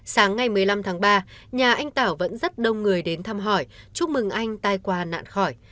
sáng ngày một mươi năm tháng ba nhà anh tảo vẫn rất đông người đến thăm hỏi chúc mừng anh tai quà nạn khỏi